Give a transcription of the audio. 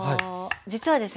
実はですね